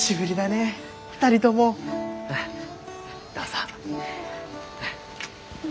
どうぞ。